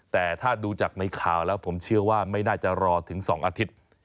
แต่ถ้าดูจากในข่าวแล้วผมเชื่อว่าไม่น่าจะรอถึง๒อาทิตย์